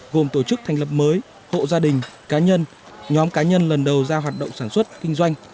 gồm tổ chức thành lập mới hộ gia đình cá nhân nhóm cá nhân lần đầu ra hoạt động sản xuất kinh doanh